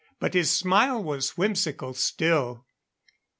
But his smile was whimsical still.